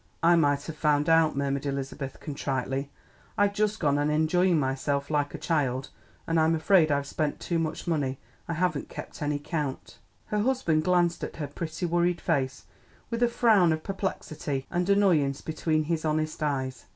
"I might have found out," murmured Elizabeth contritely. "I've just gone on enjoying myself like a child, and and I'm afraid I've spent too much money. I haven't kept any count." Her husband glanced at her pretty worried face with a frown of perplexity and annoyance between his honest eyes.